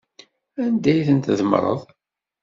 Anda ay ten-tdemmreḍ?